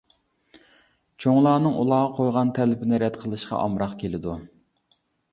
چوڭلارنىڭ ئۇلارغا قويغان تەلىپىنى رەت قىلىشقا ئامراق كېلىدۇ.